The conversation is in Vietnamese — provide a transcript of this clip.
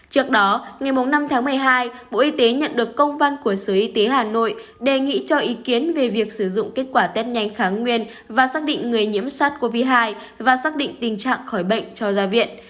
trước đó ngày năm tháng một mươi hai bộ y tế nhận được công văn của sở y tế hà nội đề nghị cho ý kiến về việc sử dụng kết quả test nhanh kháng nguyên và xác định người nhiễm sars cov hai và xác định tình trạng khỏi bệnh cho ra viện